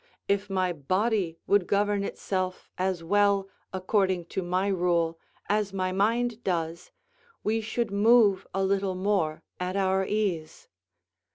If my body would govern itself as well, according to my rule, as my mind does, we should move a little more at our ease.